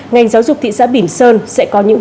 ngành giáo dục thị xã bỉm sơn sẽ có những hướng dẫn